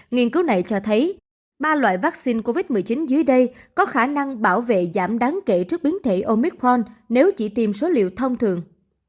nghiên cứu này cho thấy ba loại vaccine covid một mươi chín dưới đây có khả năng bảo vệ giảm đáng kể trước biến thể omicron nếu chỉ tìm số liệu thông thường